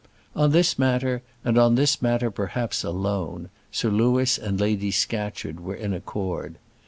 On this matter, and on this matter perhaps alone, Sir Louis and Lady Scatcherd were in accord.